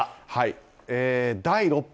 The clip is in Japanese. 第６波